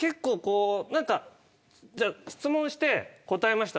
質問して答えました